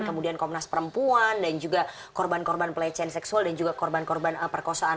kemudian komnas perempuan dan juga korban korban pelecehan seksual dan juga korban korban perkosaan